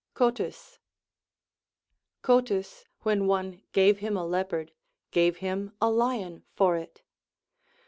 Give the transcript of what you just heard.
CoTYS. Cotys, when one gave him a leopard, gave him a lion for it.